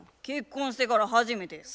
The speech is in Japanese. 結婚してから初めて？